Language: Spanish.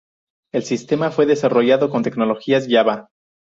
El sistema fue desarrollado con tecnologías Java.